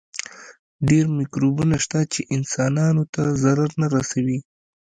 ډېر مکروبونه شته چې انسانانو ته ضرر نه رسوي.